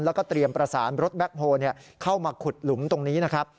แล้วก็เตรียมประสานรถแบ็คโฮลเข้ามาขุดหลุมตรงนี้นะครับ